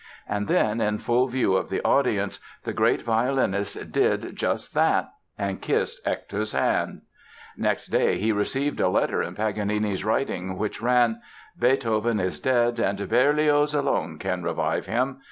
And then, in full view of the audience, the great violinist did just that and kissed Hector's hand! Next day he received a letter in Paganini's writing which ran: "Beethoven is dead and Berlioz alone can revive him.